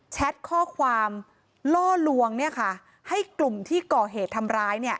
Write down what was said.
แท็ตข้อความล่อลวงให้กลุ่มที่ก่อเหตุทำร้าย